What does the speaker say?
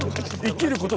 生きる事。